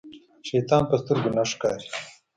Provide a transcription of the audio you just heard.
شيطان په سترګو نه ښکاري.